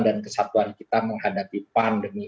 dan kesatuan kita menghadapi pandemi